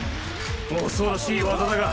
恐ろしい技だが。